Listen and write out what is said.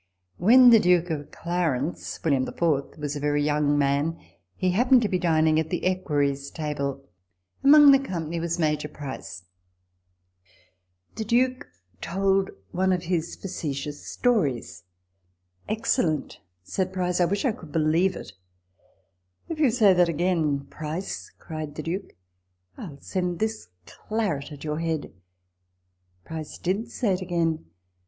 When the Duke of Clarence (William the Fourth) was a very young man, he happened to be dining at the Equerries' table. Among the company was Major Price. The Duke told one of his facetious stories. " Excellent !" said Price ; "I wish I could believe it." " If you say that again, Price," cried the Duke, " I'll send this claret at your head." Price did say it again.